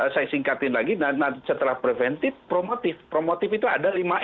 saya singkatin lagi setelah preventif promotif ada lima m